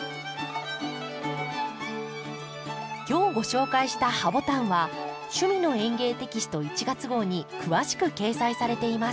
今日ご紹介した「ハボタン」は「趣味の園芸」テキスト１月号に詳しく掲載されています。